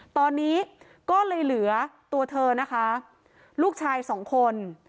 ตอนนี้ก็เลยเหลือตัวเธอนะคะลูกชายสองคน